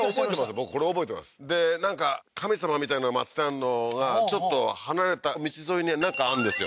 僕これ覚えてますでなんか神さまみたいのを祭ってあんのがちょっと離れた道沿いになんかあんですよ